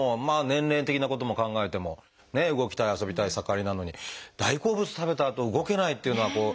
年齢的なことも考えてもね動きたい遊びたい盛りなのに大好物食べたあと動けないっていうのは。